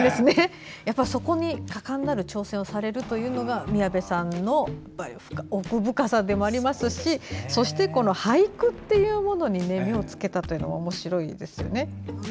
やっぱりそこに果敢なる挑戦をされるというのが宮部さんの奥深さでもありますしそして、この俳句というものに目をつけたのがおもしろいですよね。